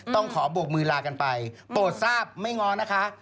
ต้องขอบวกมือลากันไปโปรดทราบไม่ง้อนะคะ